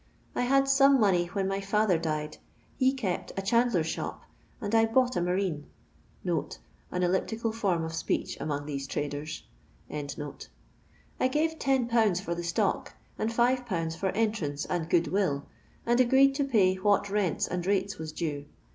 I had some money when my fiitber died — he kept a chandler's shop— and I bought a marine." [An elliptical form of speech among these traders.] "I gave 10^ for the stock, and 51, for entrance and good will, and agreed to pay what rents and rates was duo.